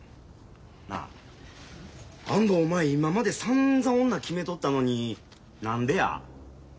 なあ安藤お前今までさんざん女決めとったのに何でや。